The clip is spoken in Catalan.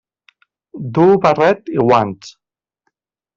Duu barret i guants.